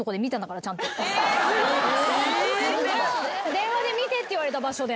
電話で「見て」って言われた場所で。